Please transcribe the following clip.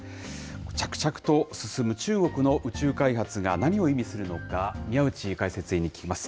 着々と進む中国の宇宙開発が何を意味するのか、宮内解説委員に聞きます。